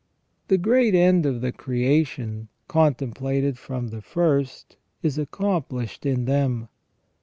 The great end of the creation, contemplated from the first, is accomplished in them.